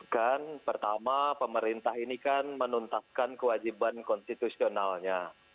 kan pertama pemerintah ini kan menuntaskan kewajiban konstitusionalnya